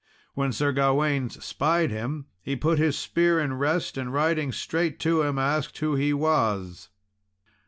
When Sir Gawain spied him, he put his spear in rest, and riding straight to him, asked who he was.